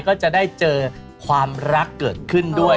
ก็จะได้เจอความรักเกิดขึ้นด้วย